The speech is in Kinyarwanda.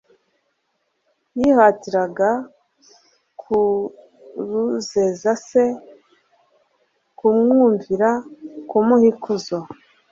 Yihatiraga kuruezeza Se, kumwumvira, kumuha ikuzo,